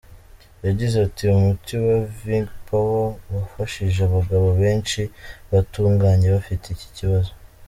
Yagize ati" Umuti wa Vigpower wafashije abagabo benshi batugannye bafite iki kibazo.